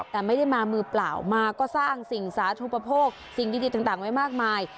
แต่ไม่ได้มามือเปล่ามาก็สร้างสิ่งสาธุปโภคสิ่งดีต่างไว้มากมาย